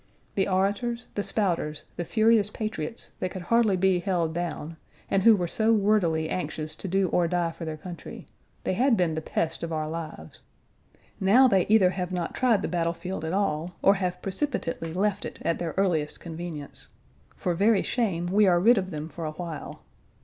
The orators, the spouters, the furious patriots, that could hardly be held down, and who were so wordily anxious to do or die for their country they had been the pest of our lives. Now they either have not tried the battle field at all, or have precipitately left it at their earliest convenience: for very shame we are rid of them for a while.